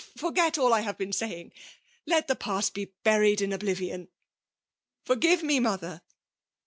— forget aDL I hare been saying. Lei die^past be bizried in oUivion. Forgire me» mother